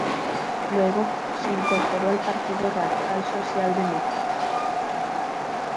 Luego, se incorporó al Partido Radical Socialdemócrata.